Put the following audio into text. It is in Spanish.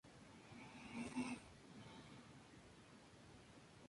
Asimismo pueden participar todos los judíos con una nacionalidad diferente a la israelí.